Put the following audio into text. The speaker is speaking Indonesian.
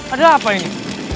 ada apa ini